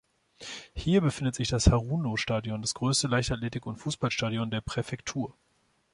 Hier befindet sich das Haruno-Stadion, das größte Leichtathletik- und Fußballstadion der Präfektur.